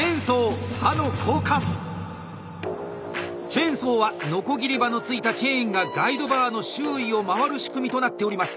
チェーンソーはノコギリ刃のついたチェーンがガイドバーの周囲を回る仕組みとなっております。